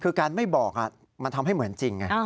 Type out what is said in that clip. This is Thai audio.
คือการไม่บอกมันทำให้เหมือนจริงไง